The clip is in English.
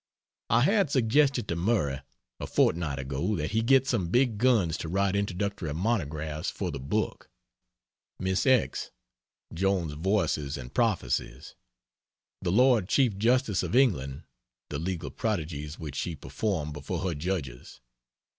I had suggested to Murray a fortnight ago, that he get some big guns to write introductory monographs for the book. Miss X, Joan's Voices and Prophecies. The Lord Chief Justice of England, the legal prodigies which she performed before her judges.